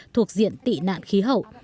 thuộc diện tị nạn khí hậu